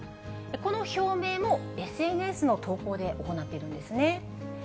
この表明もＳＮＳの投稿で行っているんですね。